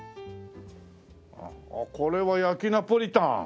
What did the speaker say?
これは焼きナポリタン。